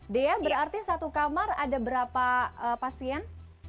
dea berarti satu kamar ada berapa pasien